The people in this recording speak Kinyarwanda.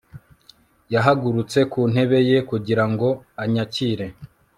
Yahagurutse ku ntebe ye kugira ngo anyakire